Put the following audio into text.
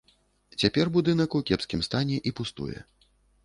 Цяпер будынак у кепскім стане і пустуе.